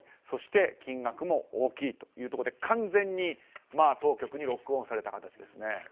そして金額も大きいというところで完全に当局にロックオンされた形です。